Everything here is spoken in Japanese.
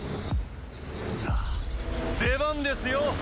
さあ出番ですよ